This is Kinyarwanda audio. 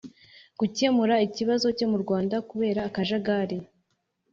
gukemura ikibazo cyo mu rwanda, kubera akajagari